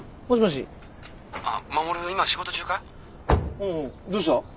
おうどうした？